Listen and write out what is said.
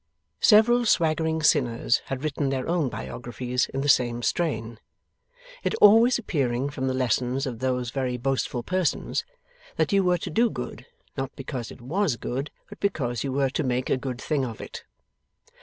Several swaggering sinners had written their own biographies in the same strain; it always appearing from the lessons of those very boastful persons, that you were to do good, not because it WAS good, but because you were to make a good thing of it.